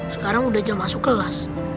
sekarang udah jam masuk kelas